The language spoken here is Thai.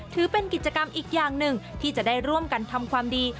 ถือเป็นกิจกรรมอีกอย่างหนึ่งที่จะได้ร่วมกันทำความดี